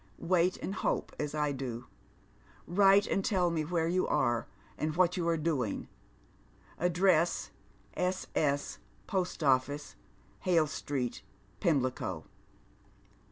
Wait and hope, as I do. Write and tell me where you are, and what you are doing. — Address, S. S., Post Office, Halo Street, Pimlico."